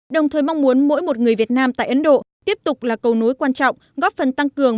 đồng thời mong muốn mỗi một người việt nam tại ấn độ tiếp tục là cầu nối quan trọng góp phần tăng cường